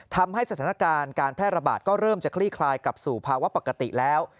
ทำให้สถานการณ์การแพร่ระบาดก็เริ่มจะคลี่คลายกลับสู่ภาวะปกติแล้ว